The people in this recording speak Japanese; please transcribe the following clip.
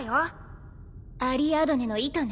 アリアドネの糸ね。